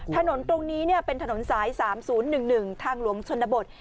ถนนตรงนี้เป็นถนนสาย๓๐๑๑ทางหลวงชนบท